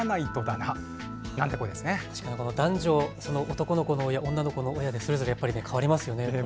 男の子の親、女の子の親でそれぞれやっぱり変わりますよね。